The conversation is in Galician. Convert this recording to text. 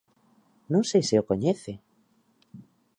¿Non sei se o coñece?